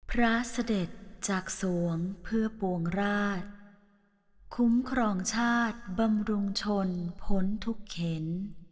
พระเสด็จจากสวงเพื่อปวงราชคุ้มครองชาติบำรุงชนพ้นทุกเข็น